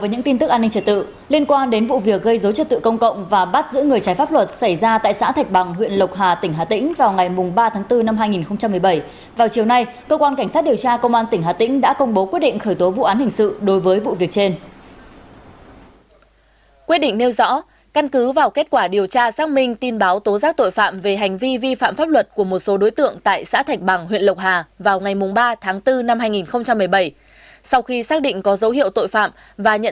hãy đăng ký kênh để ủng hộ kênh của chúng mình nhé